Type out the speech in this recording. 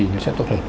nó sẽ tốt hơn